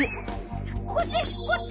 こっち！